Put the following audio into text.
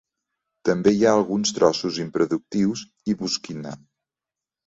També hi ha alguns trossos improductius i bosquina.